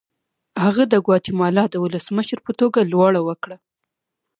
هغه د ګواتیمالا د ولسمشر په توګه لوړه وکړه.